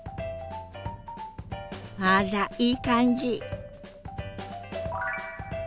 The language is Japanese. あらいい感じ！